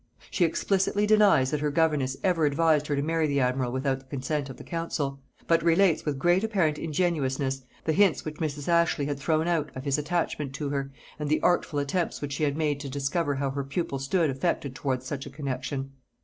She explicitly denies that her governess ever advised her to marry the admiral without the consent of the council; but relates with great apparent ingenuousness, the hints which Mrs. Ashley had thrown out of his attachment to her, and the artful attempts which she had made to discover how her pupil stood affected towards such a connexion.